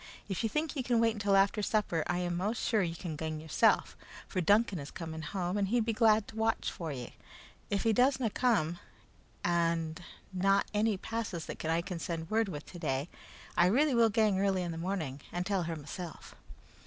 If ye think ye can wait until after supper, I am most sure ye can gang yoursel', for Duncan is coming home and he'd be glad to watch for ye. If he does na come, and na ane passes that I can send word with today, I really will gang early in the morning and tell her mysel'."